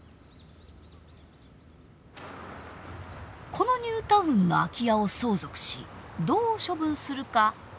このニュータウンの空き家を相続しどう処分するか悩んでいる人がいました。